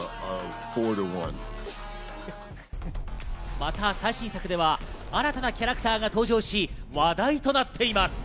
また最新作では新たなキャラクターが登場し、話題となっています。